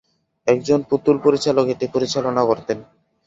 একজন পুতুল পরিচালক এটি পরিচালনা করতেন।